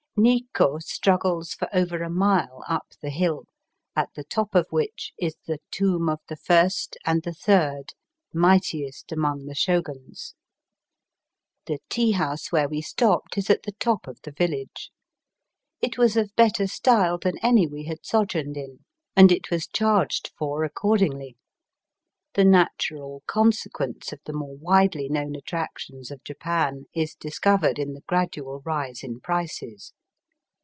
Nikko struggles for over a mile up the hill, at the top of which is the tomb of the first and the third, mightiest among the Shoguns. The Digitized by Google 252 EAST BY WEST. tea house where we stopped is at the top of the village. It was of better style than any we had sojourned in, and it was charged for accordingly. The natural consequence of the more widely known attractions of Japan is discovered in the gradual rise in prices.